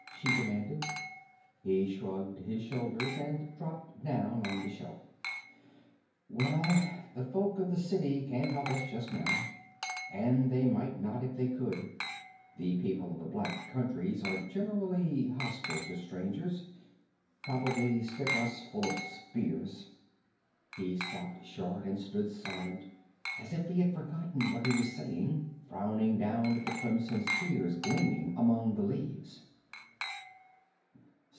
she demanded. He shrugged his shoulders and dropped down on the shelf. "Well, the folk of the city can't help us just now. And they might not, if they could. The people of the Black Countries are generally hostile to strangers. Probably stick us full of spears " He stopped short and stood silent, as if he had forgotten what he was saying, frowning down at the crimson spheres gleaming among the leaves.